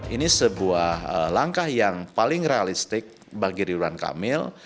ini sebuah langkah yang paling realistik bagi ridwan kamil